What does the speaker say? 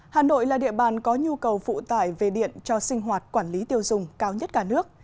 hà nội là địa bàn có nhu cầu phụ tải về điện cho sinh hoạt quản lý tiêu dùng cao nhất cả nước